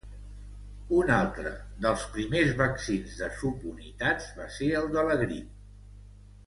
Una altra dels primers vaccins de subunitats va ser el de la grip.